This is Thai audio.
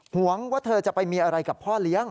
วงว่าเธอจะไปมีอะไรกับพ่อเลี้ยง